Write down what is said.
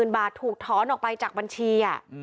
๐บาทถูกถอนออกไปจากบัญชี